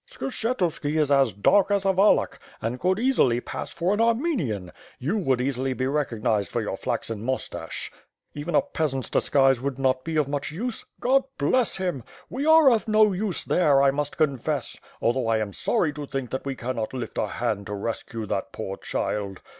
Skshetuski is as dark as a Wallach, and could easily pass for an Armenian; you would easily be recognized by your flaxen moustache. Even a peasant's disguise would not be of much use. .. God bless him! We are of no use there, I must confess, although I am sorry to think that we cannot lift a hand to rescue that poor child.